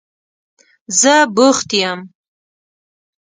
زه بوخت یم.